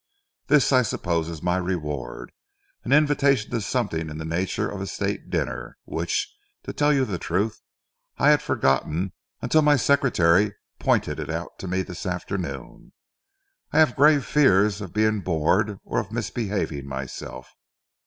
This, I suppose, is my reward an invitation to something in the nature of a State dinner, which, to tell you the truth, I had forgotten until my secretary pointed it out to me this afternoon. I have grave fears of being bored or of misbehaving myself.